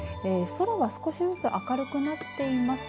空が少しずつ明るくなっています。